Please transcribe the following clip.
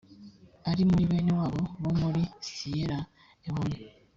ari muri bene wabo bo muri siyera lewone